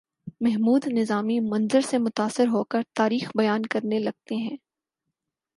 محمود نظامی منظر سے متاثر ہو کر تاریخ بیان کرنے لگتے ہیں